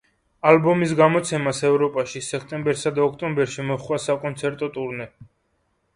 ალბომის გამოცემას ევროპაში სექტემბერსა და ოქტომბერში მოჰყვა საკონცერტო ტურნე.